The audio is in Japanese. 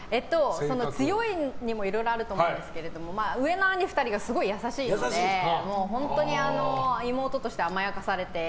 強いにもいろいろあると思うんですけど上の兄２人がすごい優しいので本当に妹として甘やかされて。